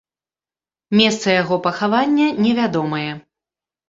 Месца яго пахавання невядомае.